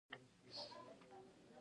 د کور د پاکوالي لپاره باید څه شی وکاروم؟